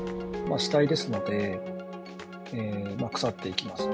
死体ですので、腐っていきますよね。